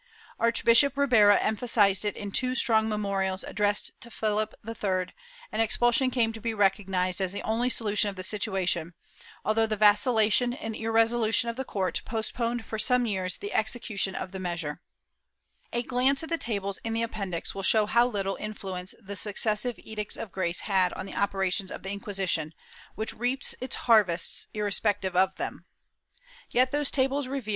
Archbishop Ribera emphasized it in two strong memorials addressed to Philip III, and expulsion came to be recognized as the only solution of the situation, although the vacillation and irresolution of the court postponed for some years the execution of the measure. A glance at the tables in the Appendix will show how little influ ence the successive Edicts of Grace had on the operations of the Inquisition, which reaped its harvests irrespective of them. Yet ^ Bulario de la Orden de Santiago, Lib. iv, fol. 128. — Archive de Simancas, Inq.